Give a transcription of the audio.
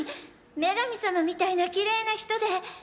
女神様みたいなキレイな人で。